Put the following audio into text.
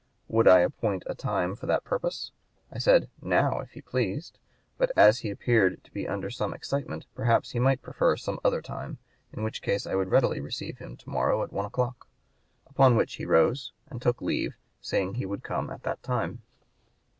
'Would I appoint a time for that purpose?' I said, 'Now, if he pleased.... But as he appeared to be under some excitement, perhaps he might prefer some other time, in which case I would readily receive him to morrow at one o'clock;' upon which he rose and took leave, saying he would come at that time."